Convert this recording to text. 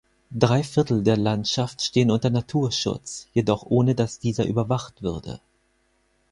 Drei Viertel der Landschaft stehen unter Naturschutz, jedoch ohne dass dieser überwacht würde.